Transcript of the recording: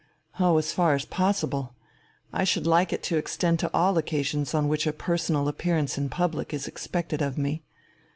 "Oh, as far as possible. I should like it to extend to all occasions on which a personal appearance in public is expected of me.